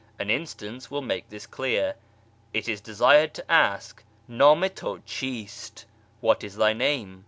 An instance will make this clearer. It is desired to ask, " Ndm i tit cJiist ?"(" What is thy name